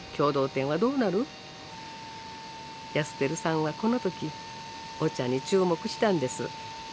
安輝さんはこの時お茶に注目したんです。